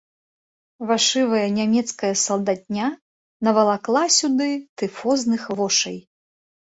Вашывая нямецкая салдатня навалакла сюды тыфозных вошай.